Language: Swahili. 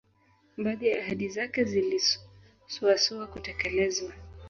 Baadhi ya ahadi zake zilisuasua kutekelezwa